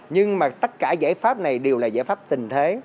nhưng mà tất cả giải pháp này đều là giải pháp tình thế